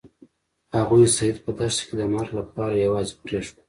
هغوی سید په دښته کې د مرګ لپاره یوازې پریښود.